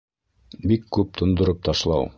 Бик күп тондороп ташлау